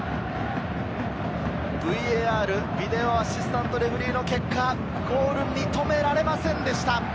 ＶＡＲ＝ビデオ・アシスタント・レフェリーの結果、ゴール、認められませんでした。